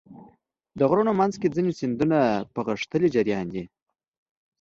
د غرونو منځ کې ځینې سیندونه په غښتلي جریان وي.